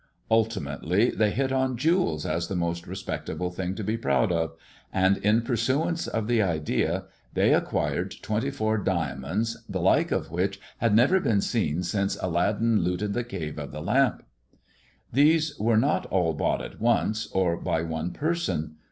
Ultimately they hit on jewels as most respectable things to be proud of, and, in pur ice of the idea, they acquired twenty four diamonds the of which had never been seen since Aladdin looted Cave of the Lamp. 338 TllE IVORY LEG AND THE DIAMONDS These were not all bought at oncey or by one person.